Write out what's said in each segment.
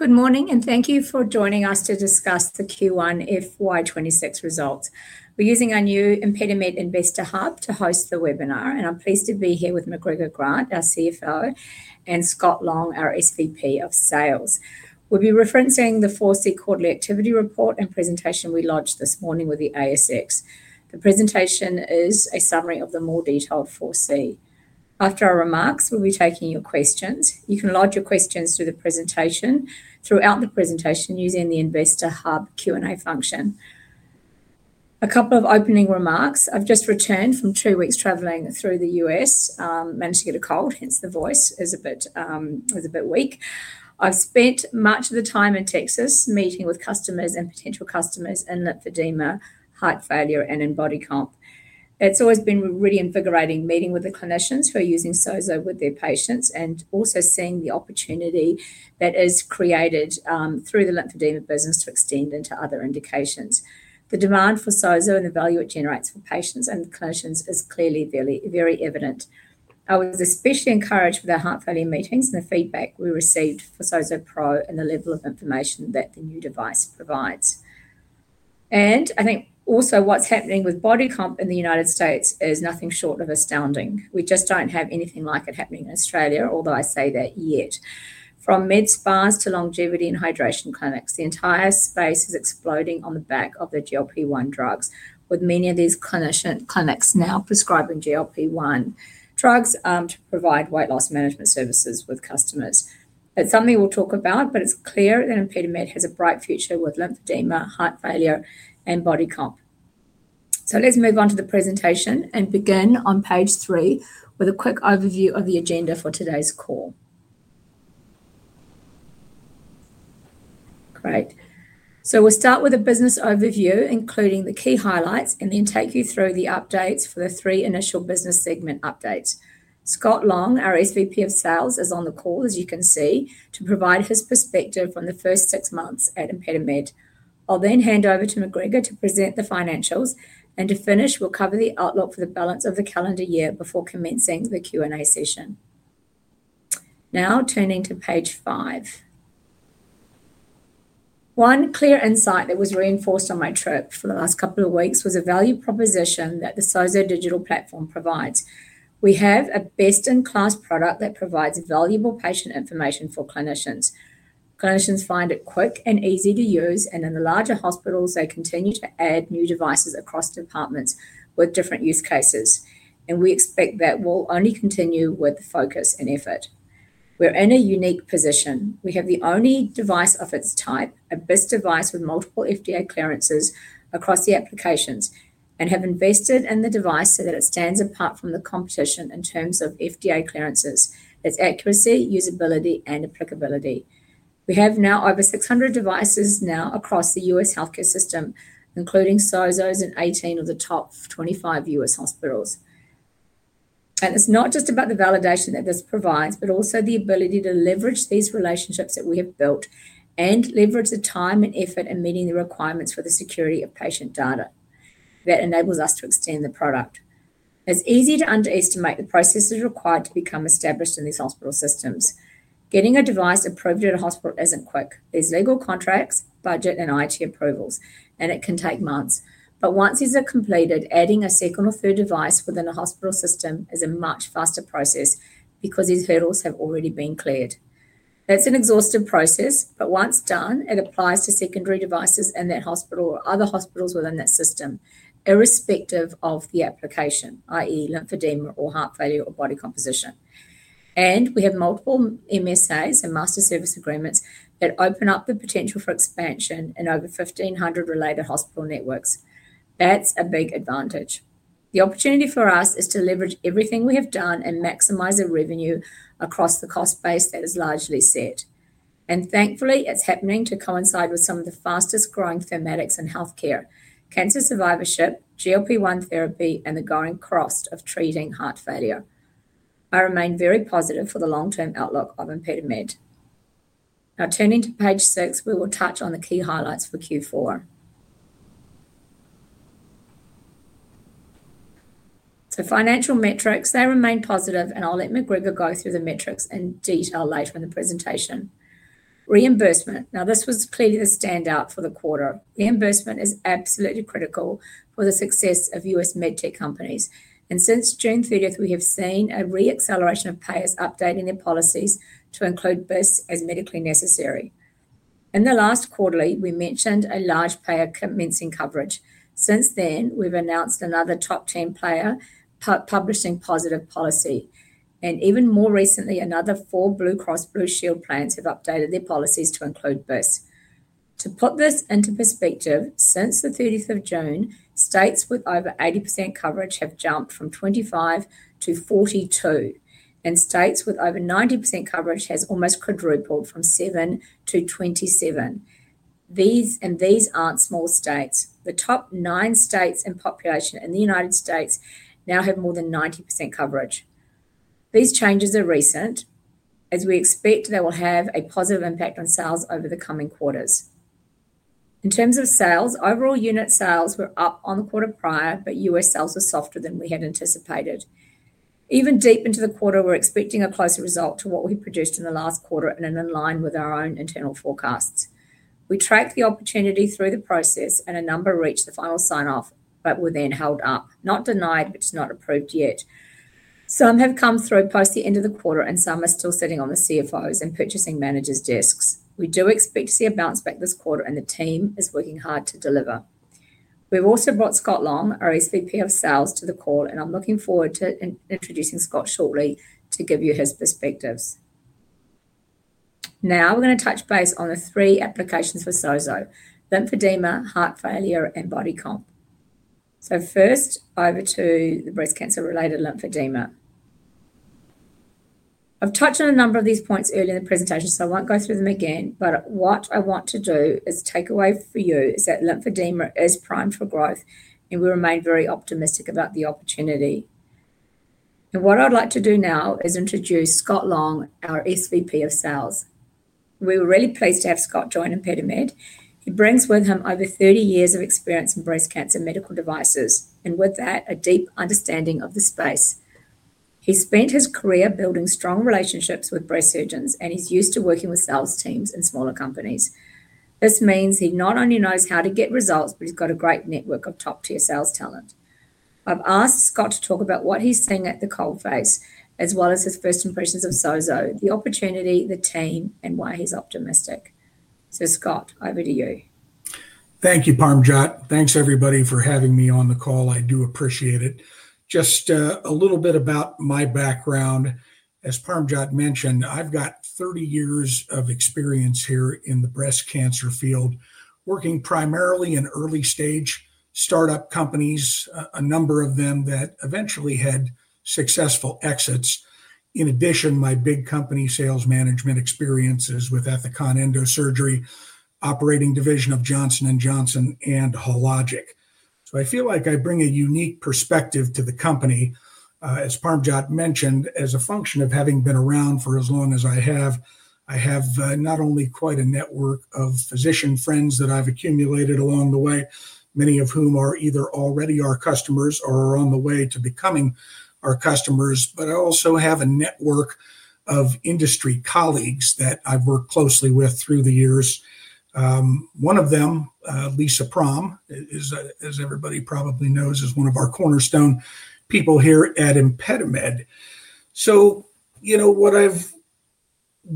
Good morning and thank you for joining us to discuss the Q1 FY 2026 results. We're using our new ImpediMed Investor Hub to host the webinar, and I'm pleased to be here with McGregor Grant, our CFO, and Scott Long, our SVP of Sales. We'll be referencing the 4C Quarterly Activity Report and presentation we launched this morning with the ASX. The presentation is a summary of the more detailed 4C. After our remarks, we'll be taking your questions. You can log your questions to the presentation throughout the presentation using the Investor Hub Q&A function. A couple of opening remarks. I've just returned from two weeks traveling through the U.S. I managed to get a cold, hence the voice is a bit weak. I've spent much of the time in Texas meeting with customers and potential customers in lymphedema, heart failure, and in body comp. It's always been really invigorating meeting with the clinicians who are using SOZO with their patients and also seeing the opportunity that is created through the lymphedema business to extend into other indications. The demand for SOZO and the value it generates for patients and clinicians is clearly very evident. I was especially encouraged with our heart failure meetings and the feedback we received for SOZO Pro and the level of information that the new device provides. I think also what's happening with body comp in the United States is nothing short of astounding. We just don't have anything like it happening in Australia, although I say that yet. From med spas to longevity and hydration clinics, the entire space is exploding on the back of the GLP-1 drugs, with many of these clinics now prescribing GLP-1 drugs to provide weight loss management services with customers. It's something we'll talk about, but it's clear that ImpediMed has a bright future with lymphedema, heart failure, and body comp. Let's move on to the presentation and begin on page three with a quick overview of the agenda for today's call. Great. We'll start with a business overview, including the key highlights, and then take you through the updates for the three initial business segment updates. Scott Long, our SVP of Sales, is on the call, as you can see, to provide his perspective on the first six months at ImpediMed. I'll then hand over to McGregor to present the financials, and to finish, we'll cover the outlook for the balance of the calendar year before commencing the Q&A session. Now turning to page five. One clear insight that was reinforced on my trip for the last couple of weeks was the value proposition that the SOZO digital platform provides. We have a best-in-class product that provides valuable patient information for clinicians. Clinicians find it quick and easy to use, and in the larger hospitals, they continue to add new devices across departments with different use cases. We expect that will only continue with the focus and effort. We're in a unique position. We have the only device of its type, a best device with multiple FDA clearances across the applications, and have invested in the device so that it stands apart from the competition in terms of FDA clearances, its accuracy, usability, and applicability. We have now over 600 devices now across the U.S. healthcare system, including SOZOs in 18 of the top 25 U.S. hospitals. It's not just about the validation that this provides, but also the ability to leverage these relationships that we have built and leverage the time and effort in meeting the requirements for the security of patient data. That enables us to extend the product. It's easy to underestimate the processes required to become established in these hospital systems. Getting a device approved at a hospital isn't quick. There's legal contracts, budget, and IT approvals, and it can take months. Once these are completed, adding a second or third device within a hospital system is a much faster process because these hurdles have already been cleared. That's an exhaustive process, but once done, it applies to secondary devices in that hospital or other hospitals within that system, irrespective of the application, i.e., lymphedema or heart failure or body composition. We have multiple MSAs and master service agreements that open up the potential for expansion in over 1,500 related hospital networks. That's a big advantage. The opportunity for us is to leverage everything we have done and maximize the revenue across the cost base that is largely set. Thankfully, it's happening to coincide with some of the fastest growing thematics in healthcare: cancer survivorship, GLP-1 therapy, and the growing cost of treating heart failure. I remain very positive for the long-term outlook of ImpediMed. Now turning to page six, we will touch on the key highlights for Q4. Financial metrics remain positive, and I'll let McGregor go through the metrics in detail later in the presentation. Reimbursement. Now this was clearly the standout for the quarter. Reimbursement is absolutely critical for the success of U.S. medtech companies. Since June 30, we have seen a re-acceleration of payers updating their policies to include births as medically necessary. In the last quarter, we mentioned a large payer commencing coverage. Since then, we've announced another top 10 payer publishing positive policy. Even more recently, another four Blue Cross Blue Shield plans have updated their policies to include births. To put this into perspective, since June 30, states with over 80% coverage have jumped from 25 to 42, and states with over 90% coverage have almost quadrupled from seven to 27. These aren't small states. The top nine states and populations in the United States now have more than 90% coverage. These changes are recent, and we expect they will have a positive impact on sales over the coming quarters. In terms of sales, overall unit sales were up on the quarter prior, but U.S. sales were softer than we had anticipated. Even deep into the quarter, we were expecting a closer result to what we produced in the last quarter and in line with our own internal forecasts. We tracked the opportunity through the process, and a number reached the final sign-off but were then held up. Not denied, but it's not approved yet. Some have come through post the end of the quarter, and some are still sitting on the CFOs' and purchasing managers' desks. We do expect to see a bounce back this quarter, and the team is working hard to deliver. We've also brought Scott Long, our SVP of Sales, to the call, and I'm looking forward to introducing Scott shortly to give you his perspectives. Now we're going to touch base on the three applications for SOZO: lymphedema, heart failure, and body comp. First, over to the breast cancer-related lymphedema. I've touched on a number of these points early in the presentation, so I won't go through them again. What I want to do is take away for you is that lymphedema is primed for growth, and we remain very optimistic about the opportunity. What I'd like to do now is introduce Scott Long, our SVP of Sales. We were really pleased to have Scott join ImpediMed. He brings with him over 30 years of experience in breast cancer medical devices, and with that, a deep understanding of the space. He spent his career building strong relationships with breast surgeons, and he's used to working with sales teams in smaller companies. This means he not only knows how to get results, but he's got a great network of top-tier sales talent. I've asked Scott to talk about what he's seeing at the coalface, as well as his first impressions of SOZO, the opportunity, the team, and why he's optimistic. Scott, over to you. Thank you, Parmjot. Thanks, everybody, for having me on the call. I do appreciate it. Just a little bit about my background. As Parmjot mentioned, I've got 30 years of experience here in the breast cancer field, working primarily in early-stage startup companies, a number of them that eventually had successful exits. In addition, my big company sales management experience is with Ethicon Endosurgery, operating division of Johnson & Johnson, and Hologic. I feel like I bring a unique perspective to the company. As Parmjot mentioned, as a function of having been around for as long as I have, I have not only quite a network of physician friends that I've accumulated along the way, many of whom either already are customers or are on the way to becoming our customers, but I also have a network of industry colleagues that I've worked closely with through the years. One of them, Lisa Prom, as everybody probably knows, is one of our cornerstone people here at ImpediMed. What I've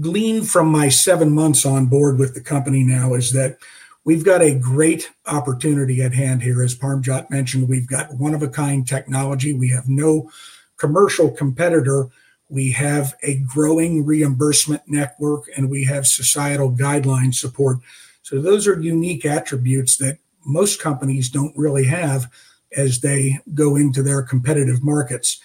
gleaned from my seven months on board with the company now is that we've got a great opportunity at hand here. As Parmjot mentioned, we've got one-of-a-kind technology. We have no commercial competitor. We have a growing reimbursement network, and we have societal guideline support. Those are unique attributes that most companies don't really have as they go into their competitive markets.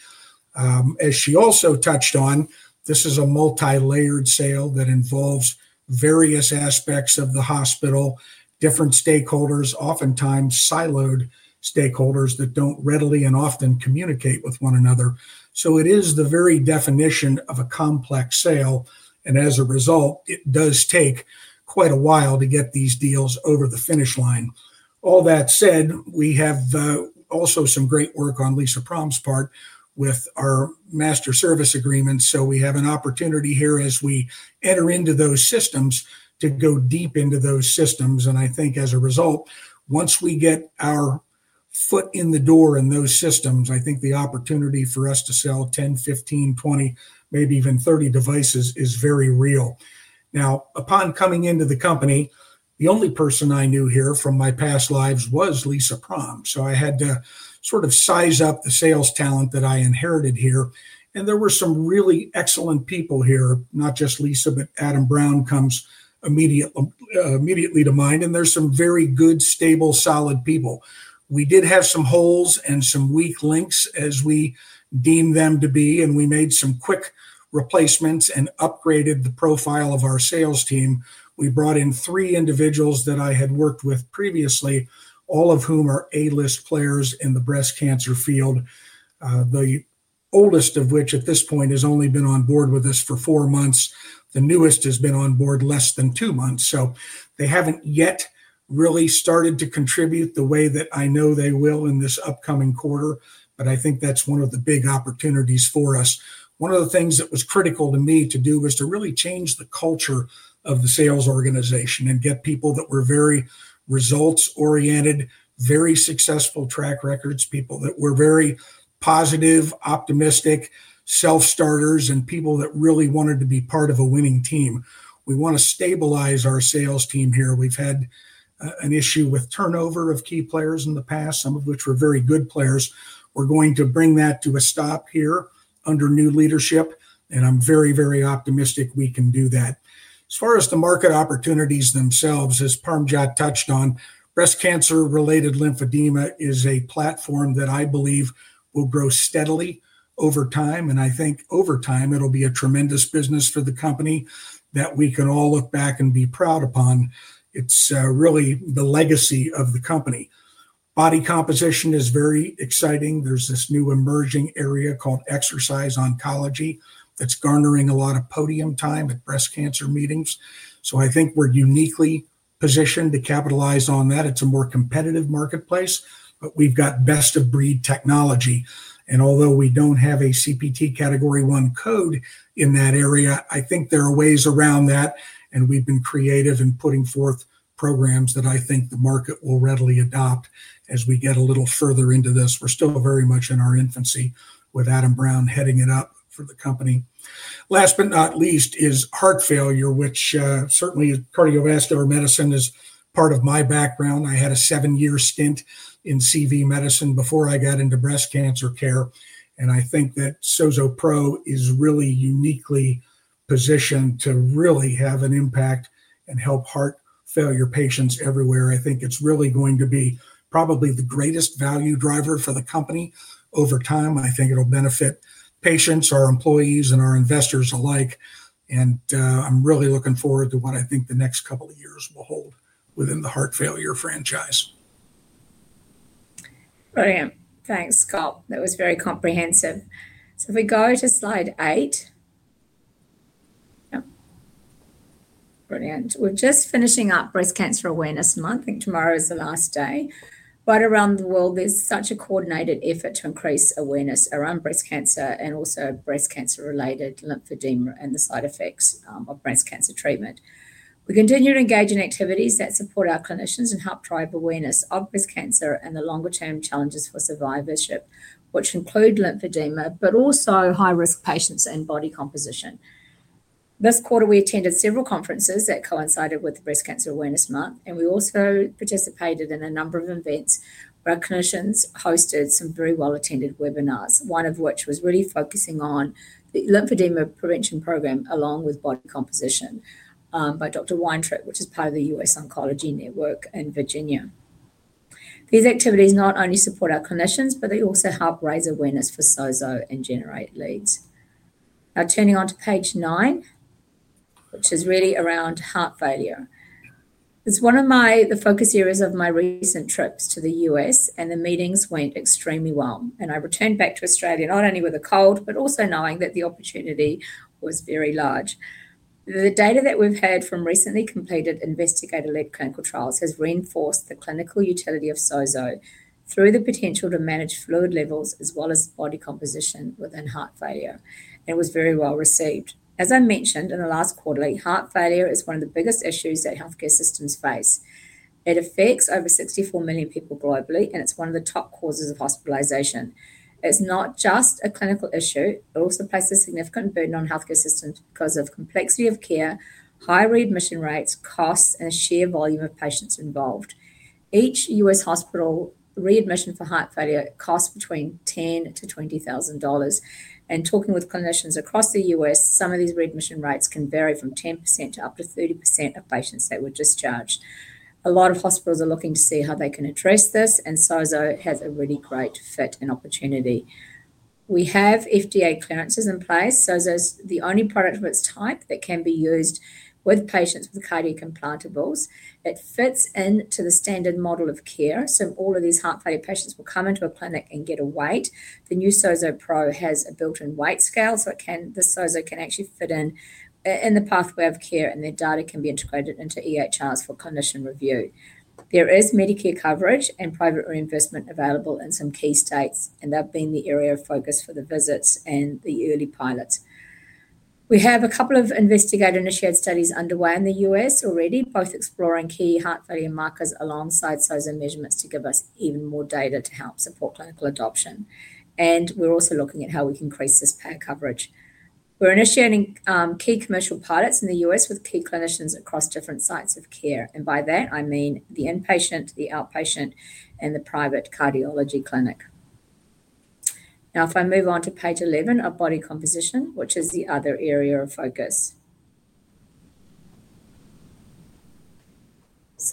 As she also touched on, this is a multi-layered sale that involves various aspects of the hospital, different stakeholders, oftentimes siloed stakeholders that don't readily and often communicate with one another. It is the very definition of a complex sale. As a result, it does take quite a while to get these deals over the finish line. All that said, we have also some great work on Lisa Prom's part with our master service agreements. We have an opportunity here as we enter into those systems to go deep into those systems. I think as a result, once we get our foot in the door in those systems, I think the opportunity for us to sell 10, 15, 20, maybe even 30 devices is very real. Upon coming into the company, the only person I knew here from my past lives was Lisa Prom. I had to sort of size up the sales talent that I inherited here. There were some really excellent people here, not just Lisa, but Adam Brown comes immediately to mind. There are some very good, stable, solid people. We did have some holes and some weak links as we deemed them to be, and we made some quick replacements and upgraded the profile of our sales team. We brought in three individuals that I had worked with previously, all of whom are A-list players in the breast cancer field, the oldest of which at this point has only been on board with us for four months. The newest has been on board less than two months. They haven't yet really started to contribute the way that I know they will in this upcoming quarter, but I think that's one of the big opportunities for us. One of the things that was critical to me to do was to really change the culture of the sales organization and get people that were very results-oriented, very successful track records, people that were very positive, optimistic, self-starters, and people that really wanted to be part of a winning team. We want to stabilize our sales team here. We've had an issue with turnover of key players in the past, some of which were very good players. We're going to bring that to a stop here under new leadership, and I'm very, very optimistic we can do that. As far as the market opportunities themselves, as Parmjot touched on, breast cancer-related lymphedema is a platform that I believe will grow steadily over time. I think over time, it'll be a tremendous business for the company that we can all look back and be proud upon. It's really the legacy of the company. Body composition is very exciting. There's this new emerging area called exercise oncology that's garnering a lot of podium time at breast cancer meetings. I think we're uniquely positioned to capitalize on that. It's a more competitive marketplace, but we've got best-of-breed technology. Although we don't have a CPT category one code in that area, I think there are ways around that. We've been creative in putting forth programs that I think the market will readily adopt as we get a little further into this. We're still very much in our infancy with Adam Brown heading it up for the company. Last but not least is heart failure, which certainly cardiovascular medicine is part of my background. I had a seven-year stint in CV medicine before I got into breast cancer care. I think that SOZO Pro is really uniquely positioned to really have an impact and help heart failure patients everywhere. I think it's really going to be probably the greatest value driver for the company over time. I think it'll benefit patients, our employees, and our investors alike. I'm really looking forward to what I think the next couple of years will hold within the heart failure franchise. Brilliant. Thanks, Scott. That was very comprehensive. If we go to slide eight. Brilliant. We're just finishing up Breast Cancer Awareness Month. I think tomorrow is the last day. Around the world, there's such a coordinated effort to increase awareness around breast cancer and also breast cancer-related lymphedema and the side effects of breast cancer treatment. We continue to engage in activities that support our clinicians and help drive awareness of breast cancer and the longer-term challenges for survivorship, which include lymphedema, but also high-risk patients and body composition. This quarter, we attended several conferences that coincided with Breast Cancer Awareness Month, and we also participated in a number of events where our clinicians hosted some very well-attended webinars, one of which was really focusing on the lymphedema prevention program along with body composition by Dr. Weintraub, which is part of the U.S. Oncology Network in Virginia. These activities not only support our clinicians, but they also help raise awareness for SOZO and generate leads. Now turning on to page nine, which is really around heart failure. It's one of the focus areas of my recent trips to the U.S., and the meetings went extremely well. I returned back to Australia not only with a cold, but also knowing that the opportunity was very large. The data that we've had from recently completed investigator-led clinical trials has reinforced the clinical utility of SOZO through the potential to manage fluid levels as well as body composition within heart failure. It was very well received. As I mentioned in the last quarter, heart failure is one of the biggest issues that healthcare systems face. It affects over 64 million people globally, and it's one of the top causes of hospitalization. It's not just a clinical issue. It also places a significant burden on healthcare systems because of the complexity of care, high readmission rates, costs, and the sheer volume of patients involved. Each U.S. hospital readmission for heart failure costs between $10,000-$20,000. Talking with clinicians across the U.S., some of these readmission rates can vary from 10% to up to 30% of patients that were discharged. A lot of hospitals are looking to see how they can address this, and SOZO has a really great fit and opportunity. We have FDA clearances in place. SOZO is the only product of its type that can be used with patients with cardiac implantables. It fits into the standard model of care. All of these heart failure patients will come into a clinic and get a weight. The new SOZO Pro has a built-in weight scale, so the SOZO can actually fit in the pathway of care, and their data can be integrated into EHRs for clinician review. There is Medicare coverage and private reimbursement available in some key states, and they've been the area of focus for the visits and the early pilots. We have a couple of investigator-initiated studies underway in the U.S. already, both exploring key heart failure markers alongside SOZO measurements to give us even more data to help support clinical adoption. We're also looking at how we can increase this payer coverage. We're initiating key commercial pilots in the U.S. with key clinicians across different sites of care. By that, I mean the inpatient, the outpatient, and the private cardiology clinic. If I move on to page 11 of body composition, which is the other area of focus,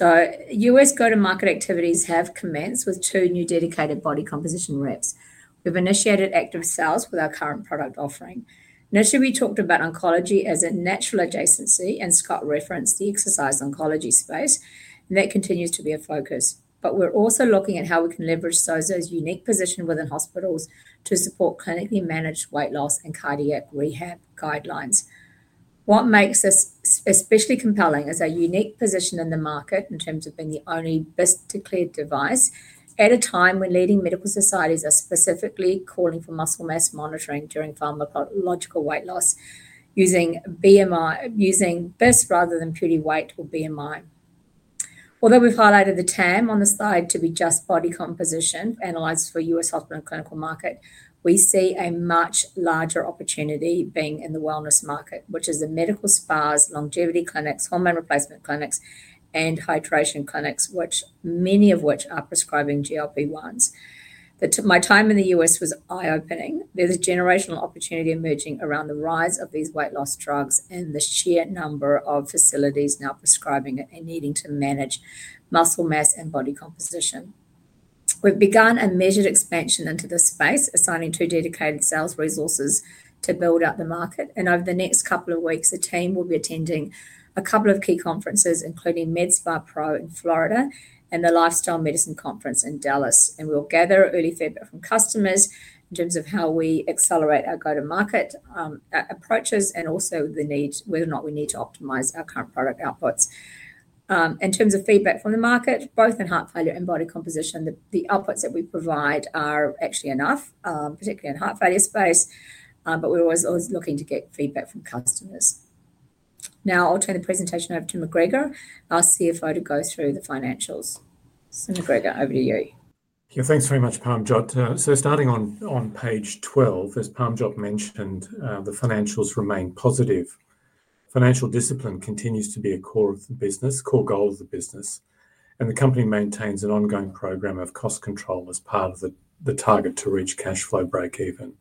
U.S. go-to-market activities have commenced with two new dedicated body composition reps. We've initiated active sales with our current product offering. Initially, we talked about oncology as a natural adjacency, and Scott referenced the exercise oncology space. That continues to be a focus. We're also looking at how we can leverage SOZO's unique position within hospitals to support clinically managed weight loss and cardiac rehab guidelines. What makes this especially compelling is our unique position in the market in terms of being the only FDA-cleared device at a time when leading medical societies are specifically calling for muscle mass monitoring during pharmacological weight loss using BIS rather than purely weight or BMI. Although we've highlighted the TAM on the slide to be just body composition analyzed for U.S. hospital and clinical market, we see a much larger opportunity being in the wellness market, which is the medspas, longevity clinics, hormone replacement clinics, and hydration clinics, many of which are prescribing GLP-1s. My time in the U.S. was eye-opening. There's a generational opportunity emerging around the rise of these weight loss drugs and the sheer number of facilities now prescribing it and needing to manage muscle mass and body composition. We've begun a measured expansion into this space, assigning two dedicated sales resources to build out the market. Over the next couple of weeks, the team will be attending a couple of key conferences, including MedSpa Pro in Florida and the Lifestyle Medicine Conference in Dallas. We'll gather early feedback from customers in terms of how we accelerate our go-to-market approaches and also the need, whether or not we need to optimize our current product outputs. In terms of feedback from the market, both in heart failure and body composition, the outputs that we provide are actually enough, particularly in the heart failure space. We're always looking to get feedback from customers. I'll turn the presentation over to McGregor, our CFO, to go through the financials. McGregor, over to you. Yeah, thanks very much, Parmjot. Starting on page 12, as Parmjot mentioned, the financials remain positive. Financial discipline continues to be a core of the business, core goal of the business. The company maintains an ongoing program of cost control as part of the target to reach cash flow break-even.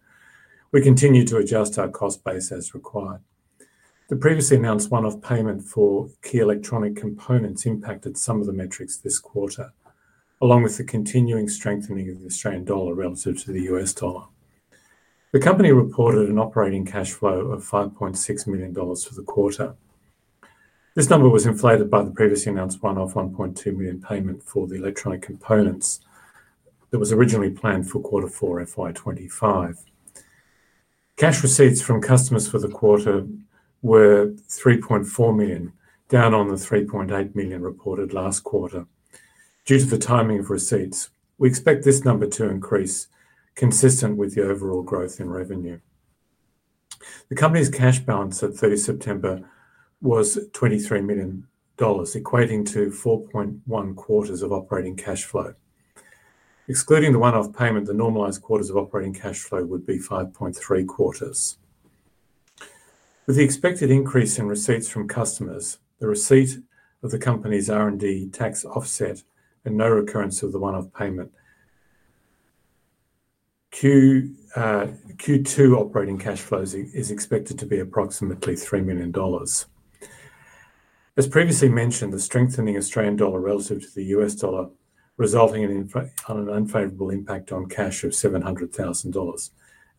We continue to adjust our cost base as required. The previously announced one-off payment for key electronic components impacted some of the metrics this quarter, along with the continuing strengthening of the Australian dollar relative to the U.S. dollar. The company reported an operating cash flow of $5.6 million for the quarter. This number was inflated by the previously announced one-off $1.2 million payment for the electronic components that was originally planned for quarter four, FY 2025. Cash receipts from customers for the quarter were $3.4 million, down on the $3.8 million reported last quarter. Due to the timing of receipts, we expect this number to increase, consistent with the overall growth in revenue. The company's cash balance at 30 September was $23 million, equating to 4.1 quarters of operating cash flow. Excluding the one-off payment, the normalized quarters of operating cash flow would be 5.3 quarters. With the expected increase in receipts from customers, the receipt of the company's R&D tax offset, and no recurrence of the one-off payment, Q2 operating cash flows is expected to be approximately $3 million. As previously mentioned, the strengthening Australian dollar relative to the U.S. dollar resulted in an unfavorable impact on cash of $700,000,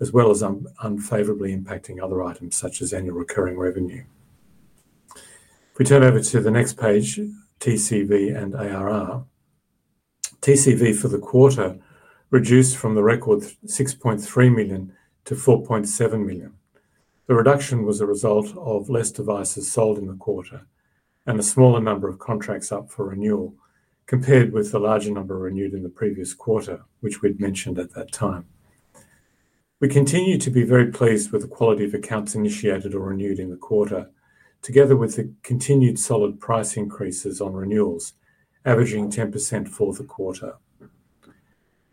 as well as unfavorably impacting other items such as annual recurring revenue. If we turn over to the next page, TCV and ARR. TCV for the quarter reduced from the record $6.3 million to $4.7 million. The reduction was a result of less devices sold in the quarter and a smaller number of contracts up for renewal, compared with the larger number renewed in the previous quarter, which we'd mentioned at that time. We continue to be very pleased with the quality of accounts initiated or renewed in the quarter, together with the continued solid price increases on renewals, averaging 10% for the quarter.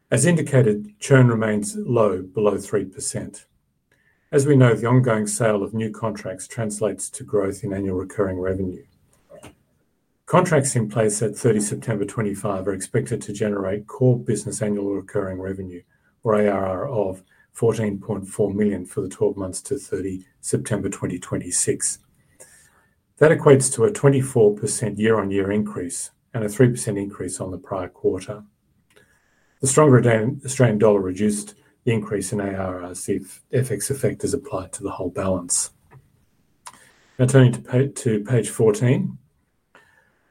As indicated, churn remains low, below 3%. As we know, the ongoing sale of new contracts translates to growth in annual recurring revenue. Contracts in place at 30 September 2025 are expected to generate core business annual recurring revenue, or ARR, of $14.4 million for the 12 months to 30 September 2026. That equates to a 24% year-on-year increase and a 3% increase on the prior quarter. The stronger Australian dollar reduced the increase in ARR's FX effect as applied to the whole balance. Now turning to page 14,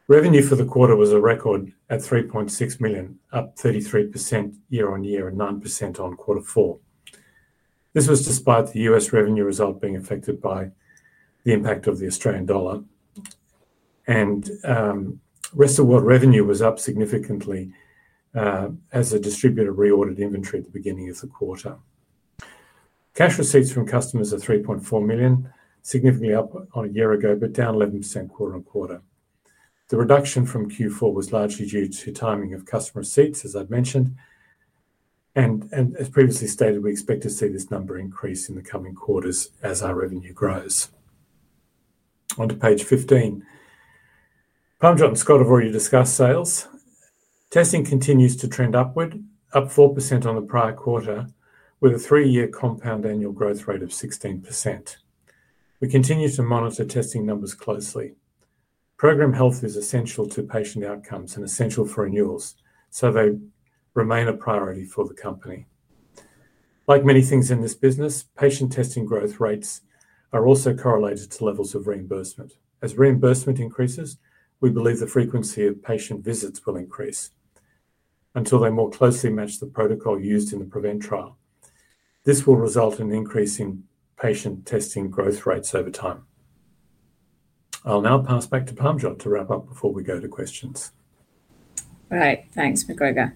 revenue for the quarter was a record at $3.6 million, up 33% year-on-year and 9% on quarter four. This was despite the U.S. revenue result being affected by the impact of the Australian dollar. The rest of the world revenue was up significantly as a distributor reordered inventory at the beginning of the quarter. Cash receipts from customers are $3.4 million, significantly up on a year ago, but down 11% quarter on quarter. The reduction from Q4 was largely due to timing of customer receipts, as I've mentioned. As previously stated, we expect to see this number increase in the coming quarters as our revenue grows. On to page 15. Parmjot and Scott have already discussed sales. Testing continues to trend upward, up 4% on the prior quarter, with a three-year compound annual growth rate of 16%. We continue to monitor testing numbers closely. Program health is essential to patient outcomes and essential for renewals, so they remain a priority for the company. Like many things in this business, patient testing growth rates are also correlated to levels of reimbursement. As reimbursement increases, we believe the frequency of patient visits will increase until they more closely match the protocol used in the PREVENT trial. This will result in increasing patient testing growth rates over time. I'll now pass back to Parmjot to wrap up before we go to questions. Right. Thanks, McGregor.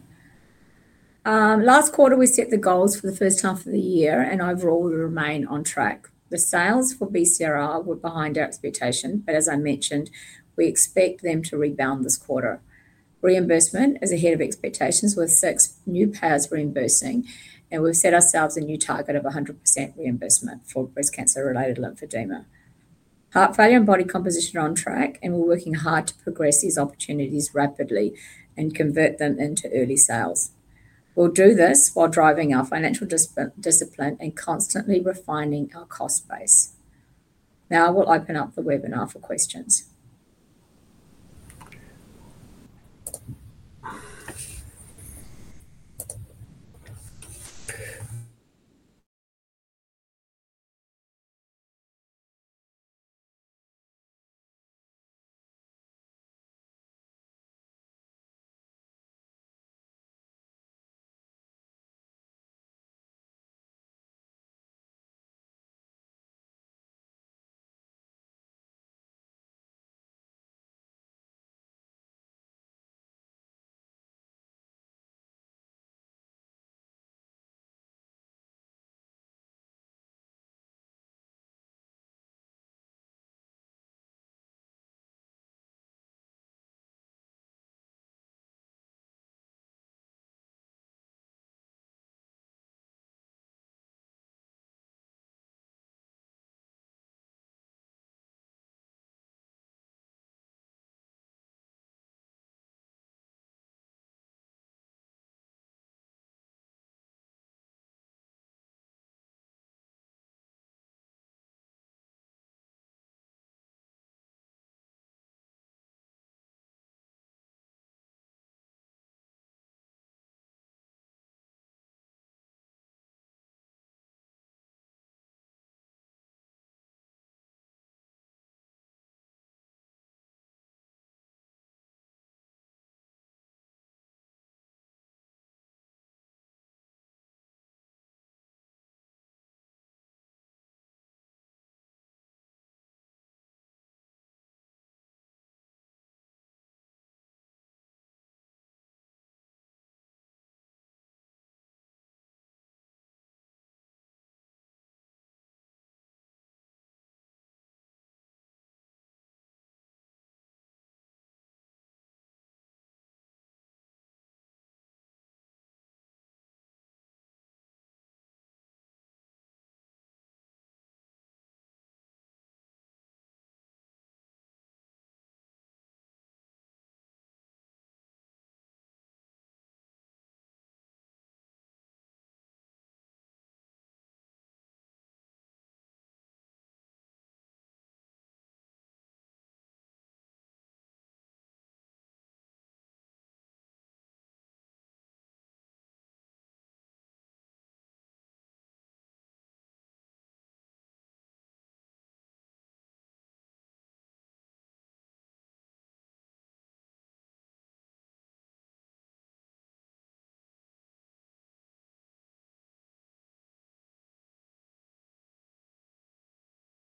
Last quarter, we set the goals for the first half of the year, and overall, we remain on track. The sales for BCRL were behind our expectation, but as I mentioned, we expect them to rebound this quarter. Reimbursement is ahead of expectations, with six new payers reimbursing. We've set ourselves a new target of 100% reimbursement for breast cancer-related lymphedema. Heart failure and body composition are on track, and we're working hard to progress these opportunities rapidly and convert them into early sales. We'll do this while driving our financial discipline and constantly refining our cost base. Now we'll open up the webinar for questions.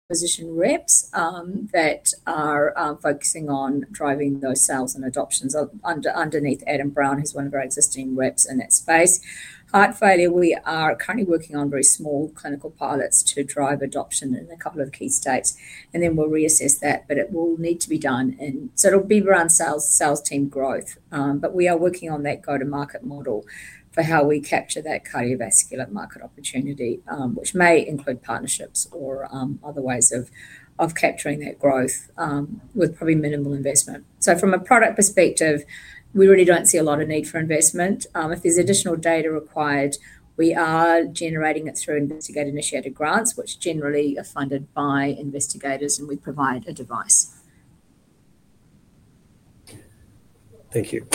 Position reps that are focusing on driving those sales and adoptions underneath Adam Brown, who's one of our existing reps in that space. Heart failure, we are currently working on very small clinical pilots to drive adoption in a couple of key states. We'll reassess that, but it will need to be done in, so it'll be around sales team growth. We are working on that go-to-market model for how we capture that cardiovascular market opportunity, which may include partnerships or other ways of capturing that growth with probably minimal investment. From a product perspective, we really don't see a lot of need for investment. If there's additional data required, we are generating it through investigator-initiated grants, which generally are funded by investigators, and we provide a device. Thank you.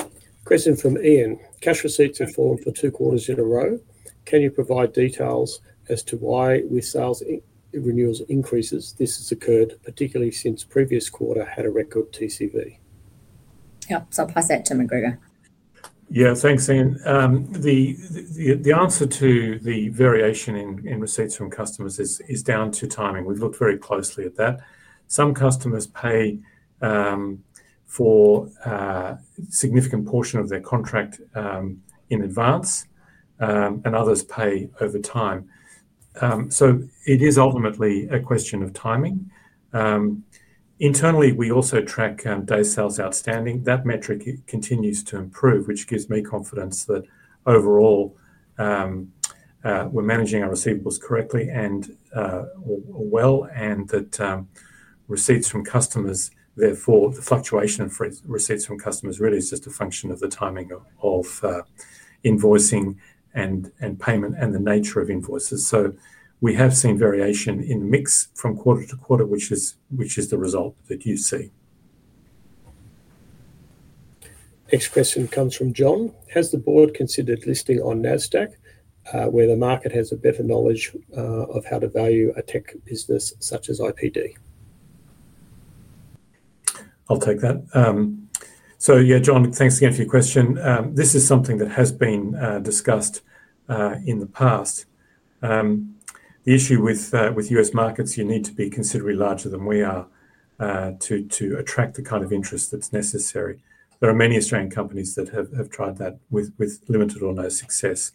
Question from Ian. Cash receipts have fallen for two quarters in a row. Can you provide details as to why, with sales renewals increases, this has occurred, particularly since the previous quarter had a record TCV? Yeah, I'll pass that to McGregor. Yeah, thanks, Ian. The answer to the variation in receipts from customers is down to timing. We've looked very closely at that. Some customers pay for a significant portion of their contract in advance, and others pay over time. It is ultimately a question of timing. Internally, we also track day sales outstanding. That metric continues to improve, which gives me confidence that overall we're managing our receivables correctly and well, and that receipts from customers, therefore, the fluctuation for receipts from customers really is just a function of the timing of invoicing and payment and the nature of invoices. We have seen variation in the mix from quarter to quarter, which is the result that you see. Next question comes from John. Has the board considered listing on NASDAQ, where the market has a better knowledge of how to value a tech business such as IPD? I'll take that. Yeah, John, thanks again for your question. This is something that has been discussed in the past. The issue with U.S. markets, you need to be considerably larger than we are to attract the kind of interest that's necessary. There are many Australian companies that have tried that with limited or no success.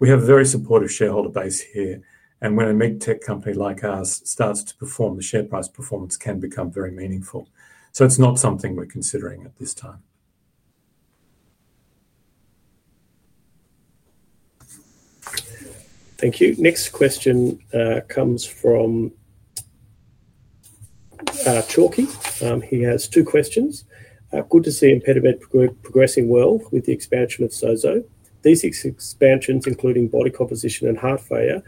We have a very supportive shareholder base here. When a mid-tech company like ours starts to perform, the share price performance can become very meaningful. It's not something we're considering at this time. Thank you. Next question comes from Chalky. He has two questions. Good to see ImpediMed progressing well with the expansion of SOZO. These expansions, including body composition and heart failure,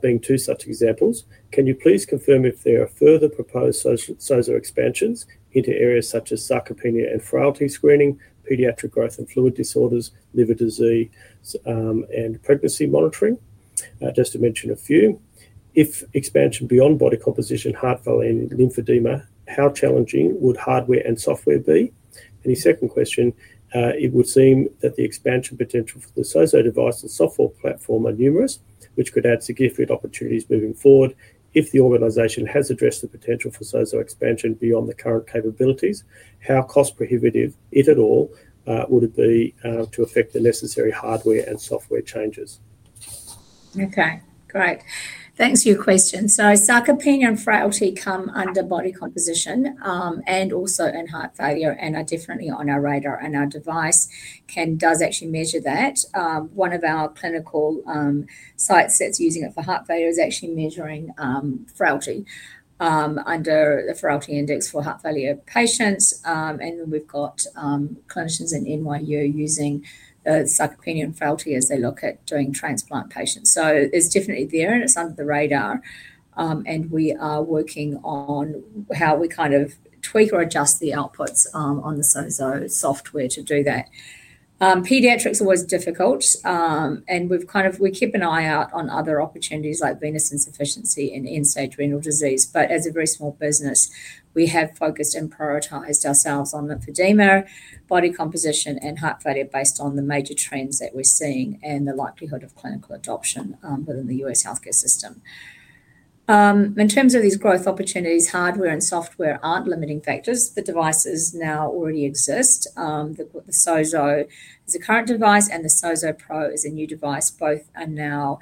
being two such examples. Can you please confirm if there are further proposed SOZO expansions into areas such as sarcopenia and frailty screening, pediatric growth and fluid disorders, liver disease, and pregnancy monitoring, just to mention a few? If expansion beyond body composition, heart failure, and lymphedema, how challenging would hardware and software be? His second question, it would seem that the expansion potential for the SOZO device and software platform are numerous, which could add significant opportunities moving forward. If the organization has addressed the potential for SOZO expansion beyond the current capabilities, how cost-prohibitive, if at all, would it be to affect the necessary hardware and software changes? Okay, great. Thanks for your question. Sarcopenia and frailty come under body composition and also in heart failure and are definitely on our radar. Our device can actually measure that. One of our clinical sites that's using it for heart failure is actually measuring frailty under the frailty index for heart failure patients. We've got clinicians at NYU using sarcopenia and frailty as they look at doing transplant patients. It's definitely there, and it's under the radar. We are working on how we kind of tweak or adjust the outputs on the SOZO software to do that. Pediatrics are always difficult. We keep an eye out on other opportunities like venous insufficiency and end-stage renal disease. As a very small business, we have focused and prioritized ourselves on lymphedema, body composition, and heart failure based on the major trends that we're seeing and the likelihood of clinical adoption within the U.S. healthcare system. In terms of these growth opportunities, hardware and software aren't limiting factors. The devices now already exist. The SOZO is a current device, and the SOZO Pro is a new device. Both are now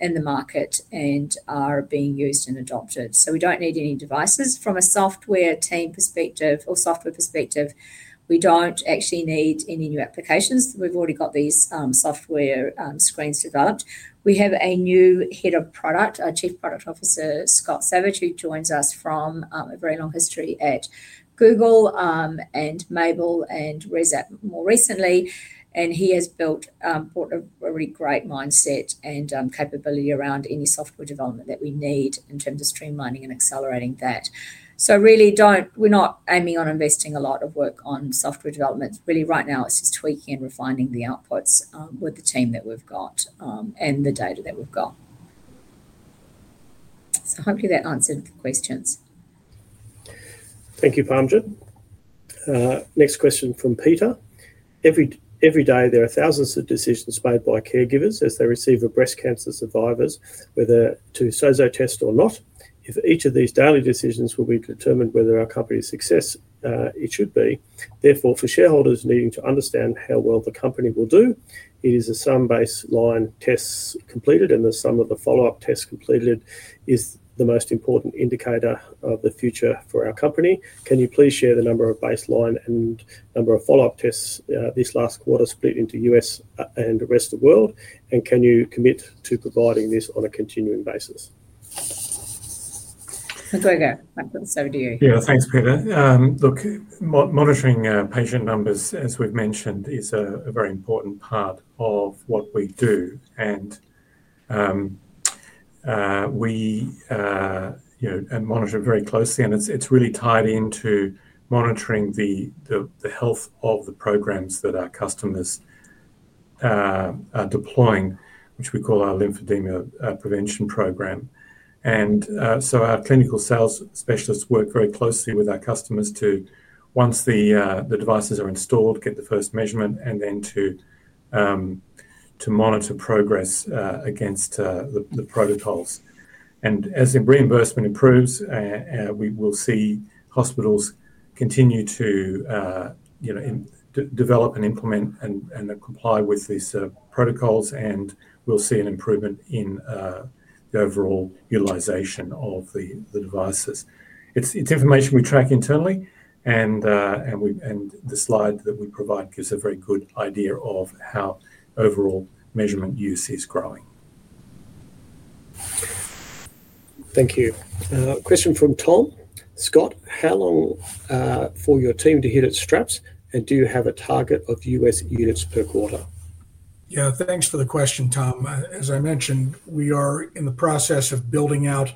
in the market and are being used and adopted. We don't need any devices. From a software team perspective or software perspective, we don't actually need any new applications. We've already got these software screens developed. We have a new Head of Product, our Chief Product Officer, Scott Savage, who joins us from a very long history at Google and Mable and ResApp more recently. He has built a really great mindset and capability around any software development that we need in terms of streamlining and accelerating that. We're not aiming on investing a lot of work on software development. Right now, it's just tweaking and refining the outputs with the team that we've got and the data that we've got. Hopefully, that answered the questions. Thank you, Parmjot. Next question from Peter. Every day, there are thousands of decisions made by caregivers as they receive a breast cancer survivor, whether to SOZO test or not. If each of these daily decisions will be determined whether our company's success, it should be. Therefore, for shareholders needing to understand how well the company will do, it is a sum-based line tests completed, and the sum of the follow-up tests completed is the most important indicator of the future for our company. Can you please share the number of baseline and number of follow-up tests this last quarter split into U.S. and the rest of the world? Can you commit to providing this on a continuing basis? McGregor, over to you. Yeah, thanks, Peter. Look, monitoring patient numbers, as we've mentioned, is a very important part of what we do. We monitor very closely, and it's really tied into monitoring the health of the programs that our customers are deploying, which we call our lymphedema prevention program. Our clinical sales specialists work very closely with our customers to, once the devices are installed, get the first measurement and then monitor progress against the protocols. As the reimbursement improves, we will see hospitals continue to develop, implement, and comply with these protocols, and we'll see an improvement in the overall utilization of the devices. It's information we track internally, and the slide that we provide gives a very good idea of how overall measurement use is growing. Thank you. Question from Tom. Scott, how long for your team to hit its straps, and do you have a target of U.S. units per quarter? Yeah, thanks for the question, Tom. As I mentioned, we are in the process of building out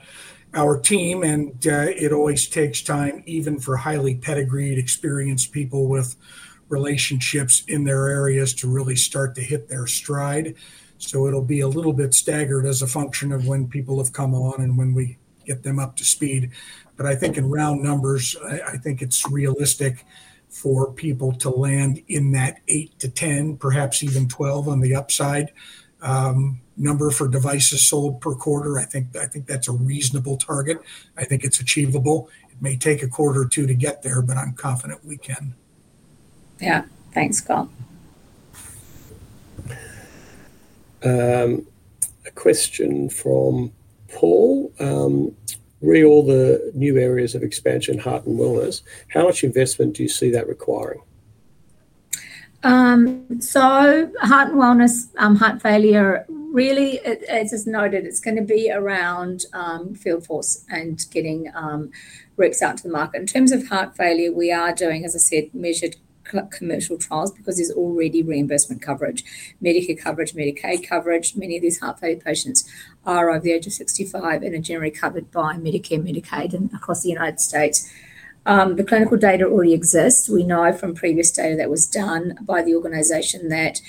our team, and it always takes time, even for highly pedigreed, experienced people with relationships in their areas, to really start to hit their stride. It will be a little bit staggered as a function of when people have come on and when we get them up to speed. I think in round numbers, I think it's realistic for people to land in that eight to 10, perhaps even 12 on the upside number for devices sold per quarter. I think that's a reasonable target. I think it's achievable. It may take a quarter or two to get there, but I'm confident we can. Yeah, thanks, Scott. A question from Paul. Really, all the new areas of expansion, heart and wellness, how much investment do you see that requiring? Heart and wellness, heart failure, really, as is noted, it's going to be around field force and getting reps out to the market. In terms of heart failure, we are doing, as I said, measured commercial trials because there's already reimbursement coverage, Medicare coverage, Medicaid coverage. Many of these heart failure patients are over the age of 65 and are generally covered by Medicare and Medicaid across the U.S. The clinical data already exists. We know from previous data that was done by the organization that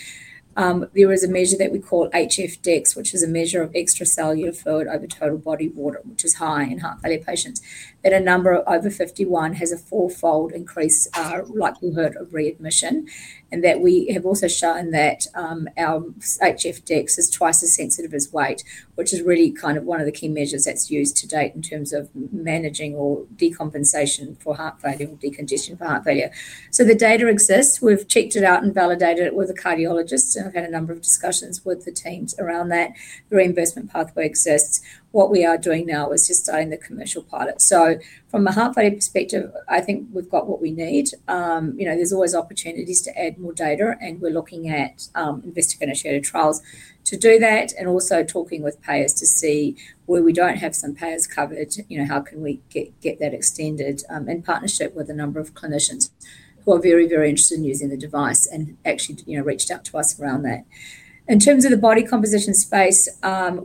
there is a measure that we call HF-Dex, which is a measure of extracellular fluid over total body water, which is high in heart failure patients. At a number of over 51, it has a four-fold increased likelihood of readmission. We have also shown that our HF-Dex is twice as sensitive as weight, which is really kind of one of the key measures that's used to date in terms of managing decompensation for heart failure or decongestion for heart failure. The data exists. We've checked it out and validated it with a cardiologist, and I've had a number of discussions with the teams around that. The reimbursement pathway exists. What we are doing now is just starting the commercial pilot. From a heart failure perspective, I think we've got what we need. There's always opportunities to add more data, and we're looking at investigator-initiated trials to do that and also talking with payers to see where we don't have some payers covered. How can we get that extended in partnership with a number of clinicians who are very, very interested in using the device and actually reached out to us around that. In terms of the body composition space,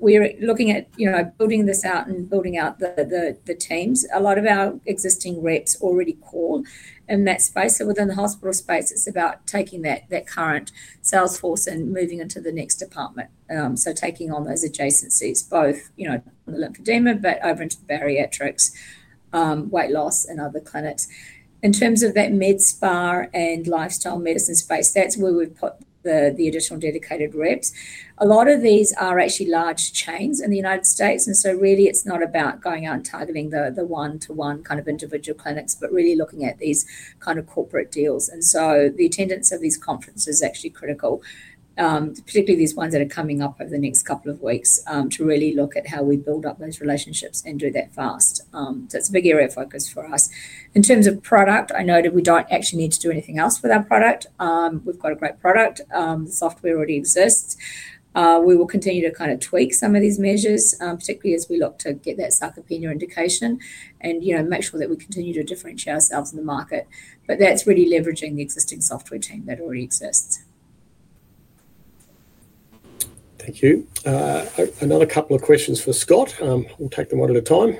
we're looking at building this out and building out the teams. A lot of our existing reps already call in that space. Within the hospital space, it's about taking that current sales force and moving into the next department, taking on those adjacencies, both on the lymphedema, but over into bariatrics, weight loss, and other clinics. In terms of that medspa and lifestyle medicine space, that's where we've put the additional dedicated reps. A lot of these are actually large chains in the U.S., and really, it's not about going out and targeting the one-to-one kind of individual clinics, but really looking at these kind of corporate deals. The attendance of these conferences is actually critical, particularly these ones that are coming up over the next couple of weeks to really look at how we build up those relationships and do that fast. It is a big area of focus for us. In terms of product, I know that we don't actually need to do anything else with our product. We've got a great product. The software already exists. We will continue to kind of tweak some of these measures, particularly as we look to get that sarcopenia indication and make sure that we continue to differentiate ourselves in the market. That is really leveraging the existing software team that already exists. Thank you. Another couple of questions for Scott. We'll take them one at a time.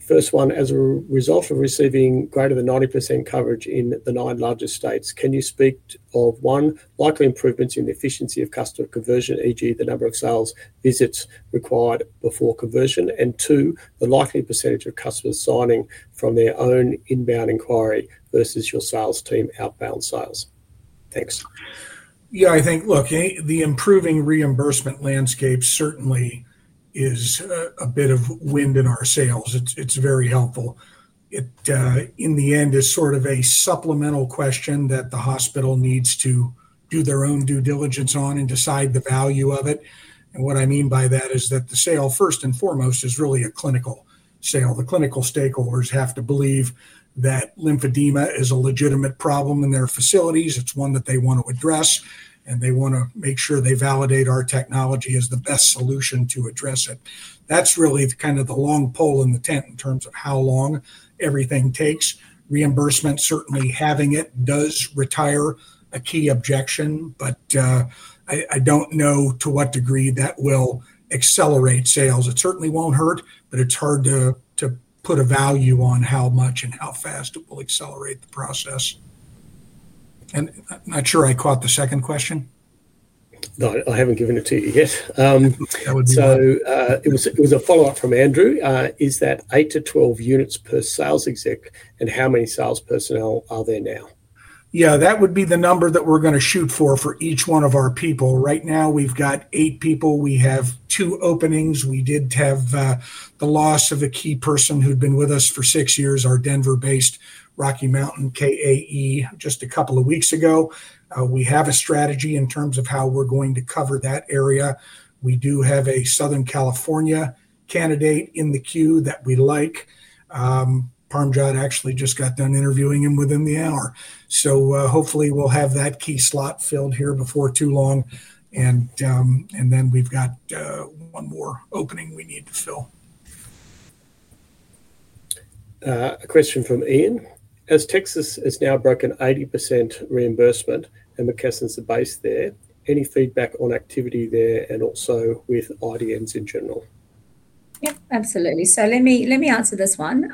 First one, as a result of receiving greater than 90% coverage in the nine largest states, can you speak of, one, likely improvements in the efficiency of customer conversion, for example, the number of sales visits required before conversion? Two, the likely percentage of customers signing from their own inbound inquiry versus your sales team outbound sales? Thanks. Yeah, I think, look, the improving reimbursement landscape certainly is a bit of wind in our sails. It's very helpful. In the end, it's sort of a supplemental question that the hospital needs to do their own due diligence on and decide the value of it. What I mean by that is that the sale, first and foremost, is really a clinical sale. The clinical stakeholders have to believe that lymphedema is a legitimate problem in their facilities. It's one that they want to address, and they want to make sure they validate our technology as the best solution to address it. That's really kind of the long pole in the tent in terms of how long everything takes. Reimbursement, certainly having it does retire a key objection, but I don't know to what degree that will accelerate sales. It certainly won't hurt, but it's hard to put a value on how much and how fast it will accelerate the process. I'm not sure I caught the second question. No, I haven't given it to you yet. That would be great. Is that eight to 12 units per sales exec, and how many sales personnel are there now? Yeah, that would be the number that we're going to shoot for for each one of our people. Right now, we've got eight people. We have two openings. We did have the loss of a key person who'd been with us for six years, our Denver-based [Rocky Mountain KAE], just a couple of weeks ago. We have a strategy in terms of how we're going to cover that area. We do have a Southern California candidate in the queue that we like. Parmjot actually just got done interviewing him within the hour. Hopefully, we'll have that key slot filled here before too long. We've got one more opening we need to fill. A question from Ian. As Texas has now broken 80% reimbursement and McKesson's the base there, any feedback on activity there and also with IDNs in general? Yeah, absolutely. Let me answer this one.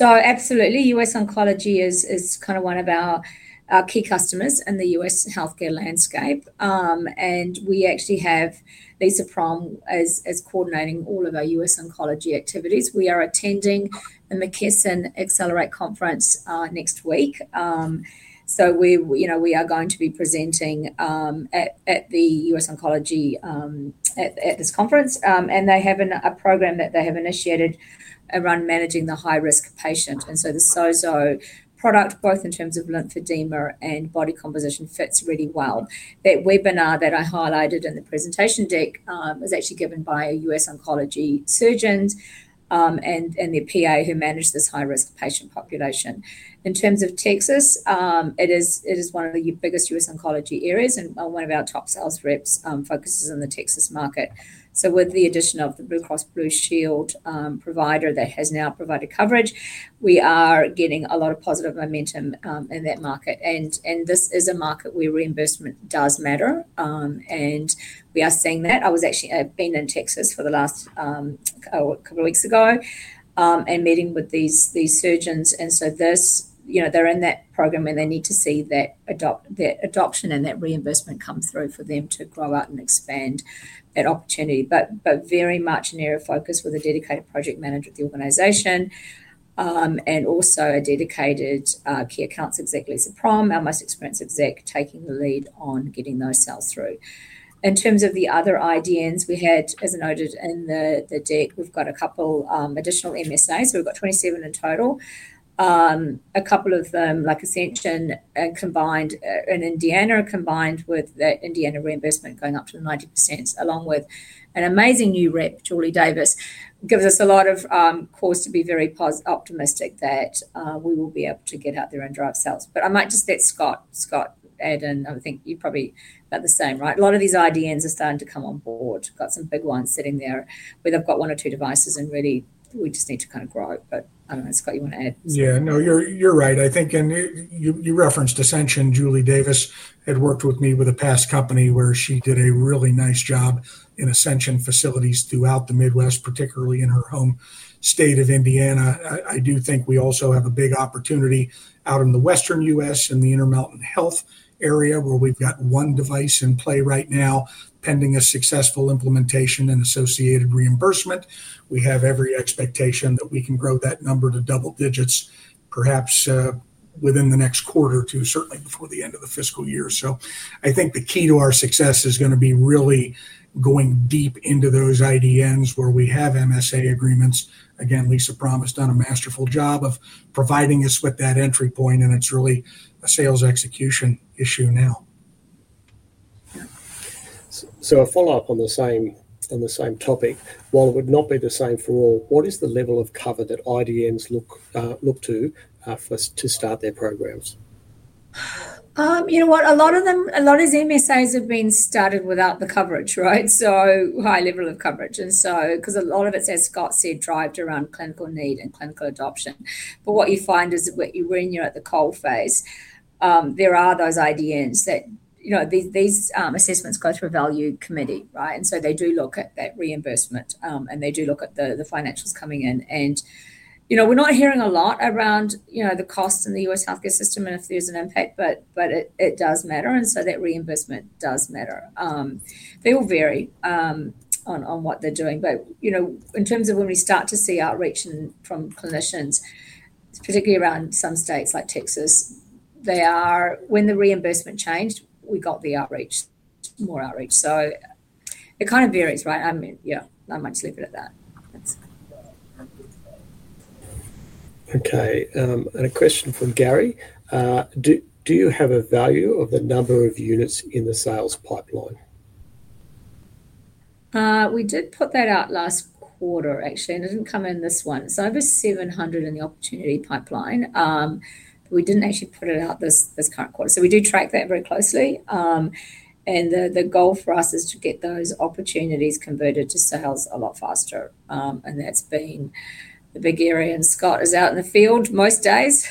Absolutely, U.S. Oncology is kind of one of our key customers in the U.S. healthcare landscape. We actually have Lisa Prom as coordinating all of our U.S. Oncology activities. We are attending the McKesson Accelerate Conference next week. We are going to be presenting at the U.S. Oncology at this conference. They have a program that they have initiated around managing the high-risk patient, and the SOZO product, both in terms of lymphedema and body composition, fits really well. That webinar that I highlighted in the presentation deck is actually given by U.S. Oncology surgeons and their PA, who manage this high-risk patient population. In terms of Texas, it is one of the biggest U.S. Oncology areas, and one of our top sales reps focuses on the Texas market. With the addition of the Blue Cross Blue Shield provider that has now provided coverage, we are getting a lot of positive momentum in that market. This is a market where reimbursement does matter, and we are seeing that. I was actually in Texas a couple of weeks ago and meeting with these surgeons. They are in that program, and they need to see that adoption and that reimbursement come through for them to grow out and expand that opportunity. It is very much an area of focus with a dedicated project manager at the organization and also a dedicated key accounts exec, Lisa Prom, our most experienced exec, taking the lead on getting those sales through. In terms of the other IDNs, as noted in the deck, we've got a couple additional MSAs. We've got 27 in total. A couple of them, like Ascension and Indiana, combined with that Indiana reimbursement going up to 90%, along with an amazing new rep, Julie Davis, gives us a lot of cause to be very optimistic that we will be able to get out there and drive sales. I might just let Scott add in. I think you probably about the same, right? A lot of these IDNs are starting to come on board. Got some big ones sitting there where they've got one or two devices, and really, we just need to kind of grow. I don't know, Scott, you want to add? Yeah, no, you're right. I think you referenced Ascension. Julie Davis had worked with me with a past company where she did a really nice job in Ascension facilities throughout the Midwest, particularly in her home state of Indiana. I do think we also have a big opportunity out in the Western U.S. in the Intermountain Health area, where we've got one device in play right now pending a successful implementation and associated reimbursement. We have every expectation that we can grow that number to double digits, perhaps within the next quarter or two, certainly before the end of the fiscal year. I think the key to our success is going to be really going deep into those IDNs where we have MSA agreements. Again, Lisa Prom has done a masterful job of providing us with that entry point, and it's really a sales execution issue now. A follow-up on the same topic. While it would not be the same for all, what is the level of cover that IDNs look to to start their programs? A lot of MSAs have been started without the coverage, right? High level of coverage. Because a lot of it, as Scott said, drives around clinical need and clinical adoption. What you find is when you're at the cold phase, there are those IDNs that these assessments go through a value committee, right? They do look at that reimbursement, and they do look at the financials coming in. We're not hearing a lot around the costs in the U.S. healthcare system and if there's an impact, but it does matter. That reimbursement does matter. They will vary on what they're doing. In terms of when we start to see outreach from clinicians, particularly around some states like Texas, when the reimbursement changed, we got more outreach. It kind of varies, right? I might just leave it at that. Okay. A question from Gary. Do you have a value of the number of units in the sales pipeline? We did put that out last quarter, actually, and it didn't come in this one. Over 700 in the opportunity pipeline, but we didn't actually put it out this current quarter. We do track that very closely. The goal for us is to get those opportunities converted to sales a lot faster. That's been the big area. Scott is out in the field most days.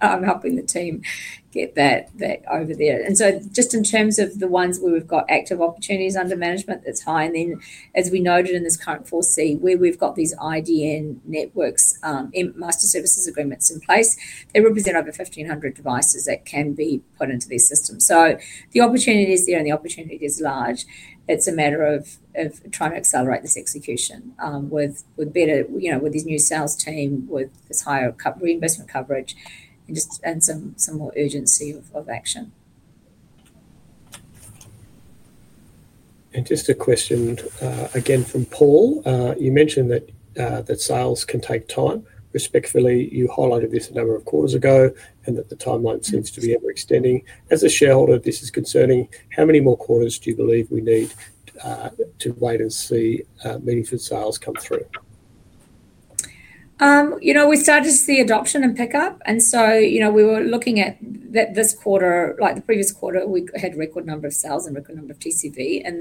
I'm helping the team get that over there. Just in terms of the ones where we've got active opportunities under management, that's high. As we noted in this current 4C, where we've got these IDN networks, master service agreements in place, they represent over 1,500 devices that can be put into these systems. The opportunity is there, and the opportunity is large. It's a matter of trying to accelerate this execution with better, you know, with this new sales team, with this higher reimbursement coverage, and just some more urgency of action. Just a question again from Paul. You mentioned that sales can take time. Respectfully, you highlighted this a number of quarters ago and that the timeline seems to be ever extending. As a shareholder, this is concerning. How many more quarters do you believe we need to wait and see meaningful sales come through? You know, we started to see adoption and pickup. We were looking at this quarter like the previous quarter; we had a record number of sales and a record number of TCV in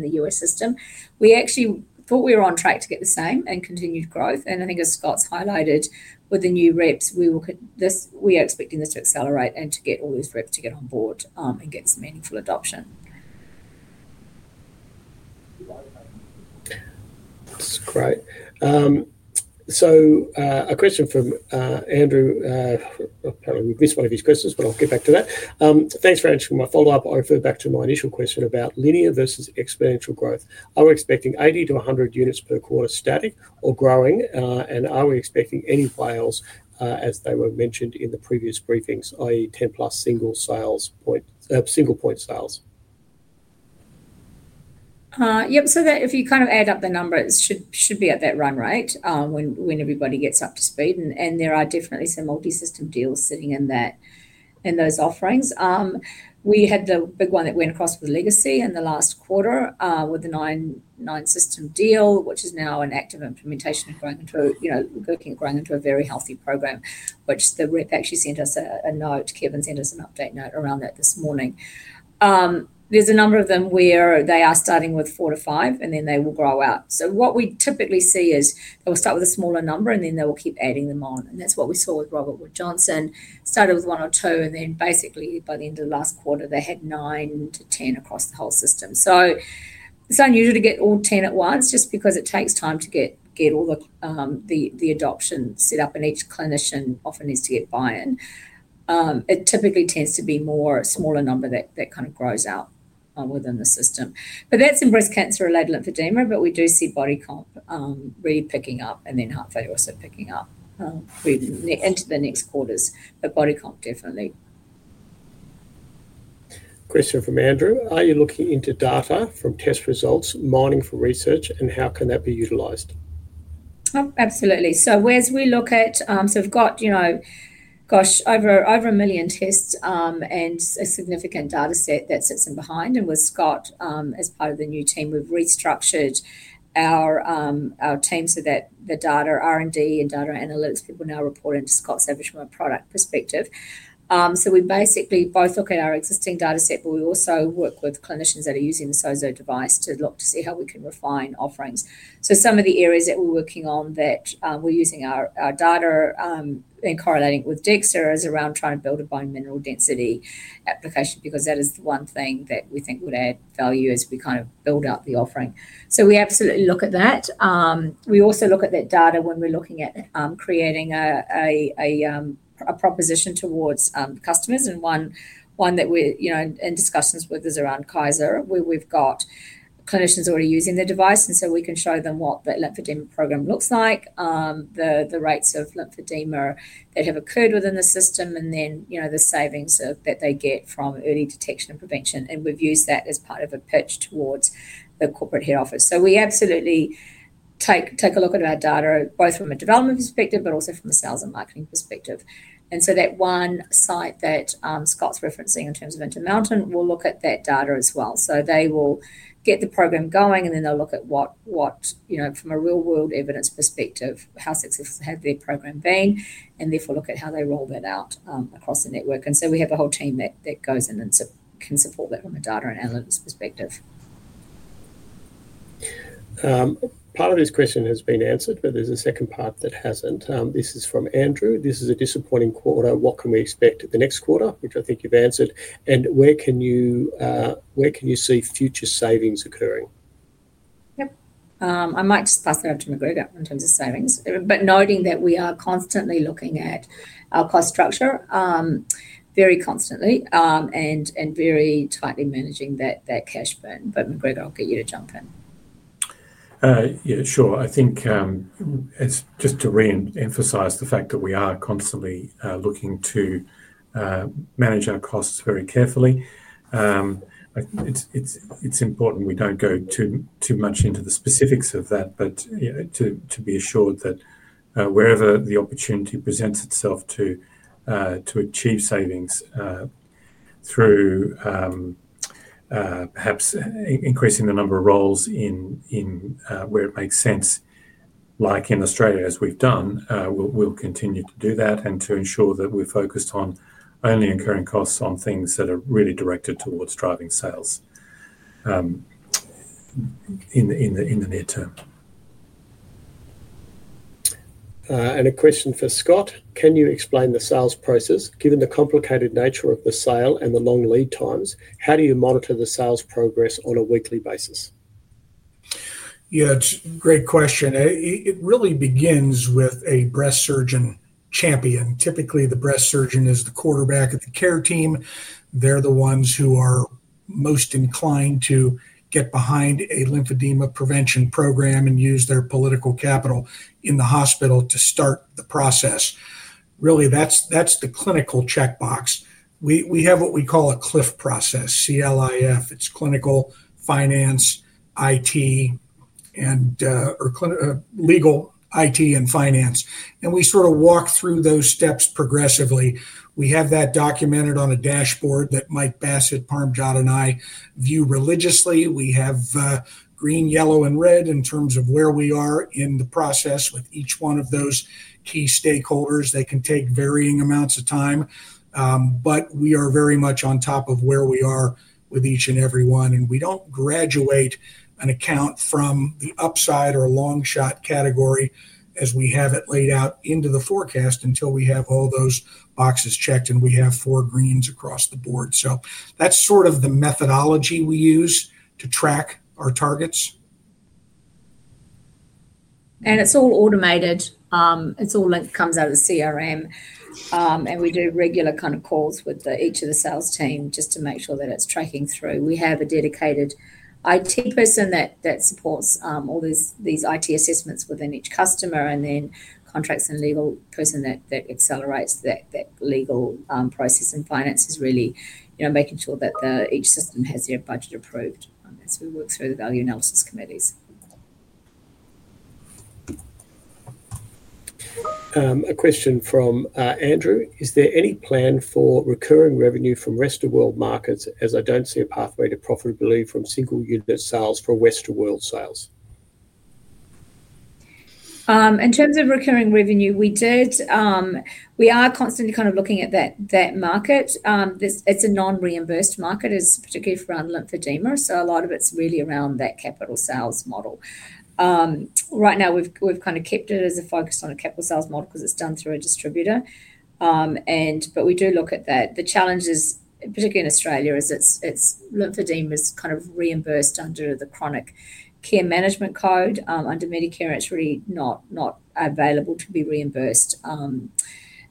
the U.S. system. We actually thought we were on track to get the same and continued growth. I think, as Scott's highlighted with the new reps, we are expecting this to accelerate and to get all those reps to get on board and get some meaningful adoption. That's great. A question from Andrew. Apparently, we've missed one of his questions, but I'll get back to that. Thanks for answering my follow-up. I refer back to my initial question about linear versus exponential growth. Are we expecting 80-100 units per quarter static or growing? Are we expecting any sales, as they were mentioned in the previous briefings, i.e., 10+ single point sales? Yeah, so if you kind of add up the numbers, it should be at that run rate when everybody gets up to speed. There are definitely some multi-system deals sitting in those offerings. We had the big one that went across with Legacy in the last quarter with the nine-system deal, which is now an active implementation and growing into a very healthy program, which the rep actually sent us a note. Kevin sent us an update note around that this morning. There's a number of them where they are starting with four to five, and then they will grow out. What we typically see is they will start with a smaller number, and then they will keep adding them on. That's what we saw with Robert Wood Johnson. Started with one or two, and then basically, by the end of the last quarter, they had nine to 10 across the whole system. It's unusual to get all 10 at once just because it takes time to get all the adoption set up, and each clinician often needs to get buy-in. It typically tends to be a smaller number that kind of grows out within the system. That's in breast cancer-related lymphedema. We do see body comp really picking up and then heart failure also picking up into the next quarters. Body comp definitely. Question from Andrew. Are you looking into data from test results, mining for research, and how can that be utilized? Oh, absolutely. As we look at it, we've got, you know, gosh, over a million tests and a significant data set that sits in behind. With Scott as part of the new team, we've restructured our team so that the data R&D and data analytics people now report into Scott Long from a product perspective. We basically both look at our existing data set, but we also work with clinicians that are using the SOZO device to look to see how we can refine offerings. Some of the areas that we're working on, that we're using our data and correlating with DEXA, are around trying to build a bone mineral density application because that is the one thing that we think would add value as we kind of build out the offering. We absolutely look at that. We also look at that data when we're looking at creating a proposition towards customers. One that we're in discussions with is around Kaiser, where we've got clinicians already using the device. We can show them what the lymphedema program looks like, the rates of lymphedema that have occurred within the system, and then the savings that they get from early detection and prevention. We've used that as part of a pitch towards the corporate head office. We absolutely take a look at our data, both from a development perspective, but also from a sales and marketing perspective. That one site that Scott's referencing in terms of Intermountain will look at that data as well. They will get the program going, and then they'll look at what, from a real-world evidence perspective, how successful has their program been, and therefore look at how they roll that out across the network. We have a whole team that goes in and can support that from a data and analytics perspective. Part of this question has been answered, but there's a second part that hasn't. This is from Andrew. This is a disappointing quarter. What can we expect at the next quarter, which I think you've answered? Where can you see future savings occurring? I might just pass that over to McGregor in terms of savings, noting that we are constantly looking at our cost structure, very constantly, and very tightly managing that cash burden. McGregor, I'll get you to jump in. Yeah, sure. I think just to reemphasize the fact that we are constantly looking to manage our costs very carefully. It's important we don't go too much into the specifics of that, but be assured that wherever the opportunity presents itself to achieve savings through perhaps increasing the number of roles where it makes sense, like in Australia, as we've done, we'll continue to do that and to ensure that we're focused on only incurring costs on things that are really directed towards driving sales in the near term. A question for Scott. Can you explain the sales process? Given the complicated nature of the sale and the long lead times, how do you monitor the sales progress on a weekly basis? Yeah, great question. It really begins with a breast surgeon champion. Typically, the breast surgeon is the quarterback of the care team. They're the ones who are most inclined to get behind a lymphedema prevention program and use their political capital in the hospital to start the process. Really, that's the clinical checkbox. We have what we call a CLIF process, C-L-I-F. It's clinical, finance, IT, and legal, IT, and finance. We sort of walk through those steps progressively. We have that documented on a dashboard that Michael Bassett, Parmjot, and I view religiously. We have green, yellow, and red in terms of where we are in the process with each one of those key stakeholders. They can take varying amounts of time, but we are very much on top of where we are with each and every one. We don't graduate an account from the upside or long shot category as we have it laid out into the forecast until we have all those boxes checked and we have four greens across the board. That's sort of the methodology we use to track our targets. It is all automated. It comes out of the CRM. We do regular calls with each of the sales teams just to make sure that it's tracking through. We have a dedicated IT person that supports all these IT assessments within each customer, and then a contracts and legal person that accelerates that legal process, and finance is really making sure that each system has their budget approved as we work through the value analysis committees. A question from Andrew. Is there any plan for recurring revenue from rest of the world markets, as I don't see a pathway to profitability from single unit sales for rest of the world sales? In terms of recurring revenue, we are constantly kind of looking at that market. It's a non-reimbursed market, particularly around lymphedema. A lot of it's really around that capital sales model. Right now, we've kind of kept it as a focus on a capital sales model because it's done through a distributor. We do look at that. The challenges, particularly in Australia, are lymphedema is kind of reimbursed under the chronic care management code under Medicare. It's really not available to be reimbursed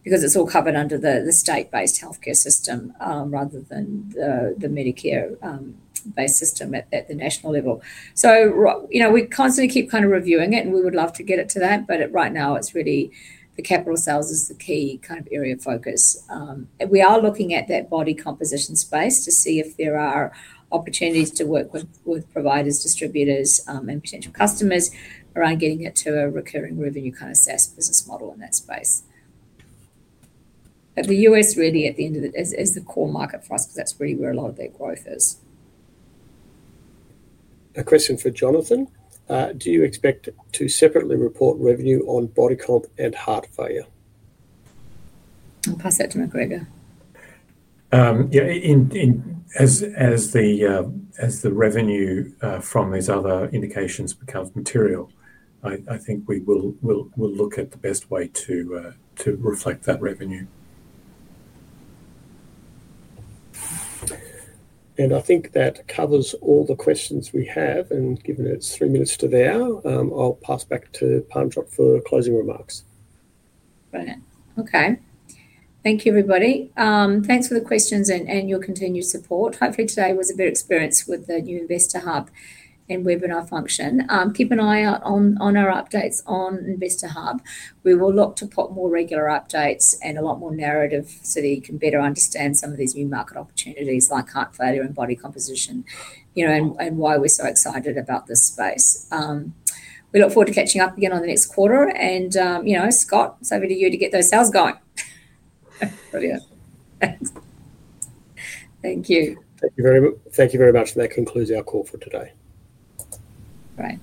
because it's all covered under the state-based healthcare system rather than the Medicare-based system at the national level. We constantly keep kind of reviewing it, and we would love to get it to that. Right now, it's really the capital sales is the key kind of area of focus. We are looking at that body composition space to see if there are opportunities to work with providers, distributors, and potential customers around getting it to a recurring revenue kind of SaaS business model in that space. The U.S. really is the core market for us because that's really where a lot of that growth is. A question for Jonathan. Do you expect to separately report revenue on body composition analysis and heart failure? I'll pass that to McGregor. Yeah, as the revenue from these other indications becomes material, I think we will look at the best way to reflect that revenue. I think that covers all the questions we have. Given it's three minutes to the hour, I'll pass back to Parmjot for closing remarks. Brilliant. Okay. Thank you, everybody. Thanks for the questions and your continued support. Hopefully, today was a good experience with the new ImpediMed Investor Hub and webinar function. Keep an eye out on our updates on Investor Hub. We will look to put more regular updates and a lot more narrative so that you can better understand some of these new market opportunities like heart failure and body composition and why we're so excited about this space. We look forward to catching up again on the next quarter. Scott, it's over to you to get those sales going. Brilliant. Thank you. Thank you very much. That concludes our call for today. Right.